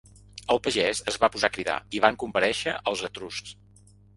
El pagès es va posar a cridar i van comparèixer els etruscs.